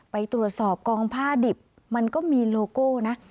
ไปตรวจสอบกองผ้าดิบมันก็มีโลโก้นะ